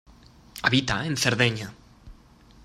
Habita en Cerdeña.